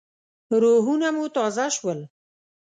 روحونه مو تازه شول.